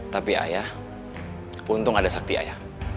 tapi ayah untung ada sakti ayah